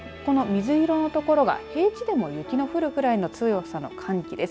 この水色の所は平地でも雪の降るくらいの強さの寒気です。